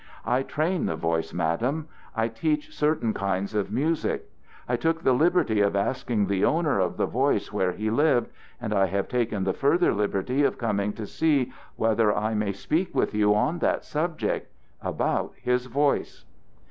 I train the voice, Madam. I teach certain kinds of music. I took the liberty of asking the owner of the voice where he lived, and I have taken the further liberty of coming to see whether I may speak with you on that subject about his voice."